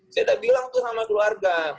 saya udah bilang tuh sama keluarga